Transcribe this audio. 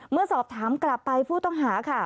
เมื่อสอบถามกลับไปผู้ต้องหาค่ะ